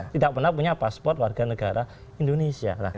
tidak pernah punya paspor warga negara indonesia